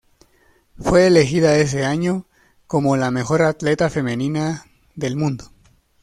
Fue elegida ese año como la mejor atleta femenina del mundo.